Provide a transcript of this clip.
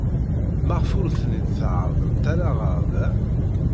Maɣef ur ten-id-tɛerrḍem ara ɣer da?